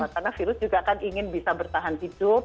karena virus juga akan ingin bisa bertahan hidup